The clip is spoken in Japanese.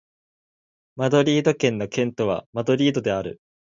マドリード県の県都はマドリードである